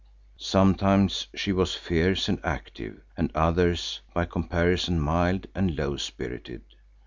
Sometimes she was fierce and active and at others by comparison mild and low spirited.